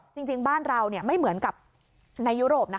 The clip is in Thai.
จริงบ้านเราไม่เหมือนกับในยุโรปนะ